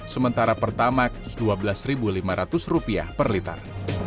sementara pertamax rp dua belas lima ratus per liter